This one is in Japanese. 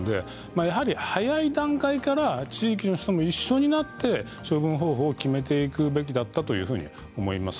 やはり早い段階から地域の人も一緒になって処分方法を決めていくべきだったというふうに思います。